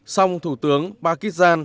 xong thủ tướng pakistan saghin tayeb